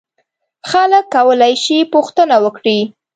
خلک کولای شي پوښتنه وکړي.